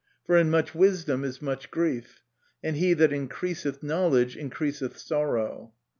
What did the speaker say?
For in much wisdom is much grief: and he that increaseth knowledge increaseth sorrow.